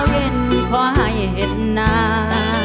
เป็นควายเหตุหน้า